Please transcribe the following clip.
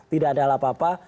tidak ada apa apa